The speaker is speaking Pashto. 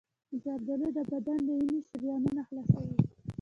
زردآلو د بدن د وینې شریانونه خلاصوي.